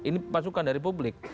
ini masukan dari publik